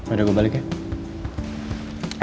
udah gue balik ya